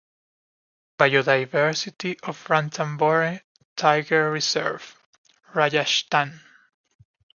Biodiversity of Ranthambhore Tiger Reserve, Rajasthan.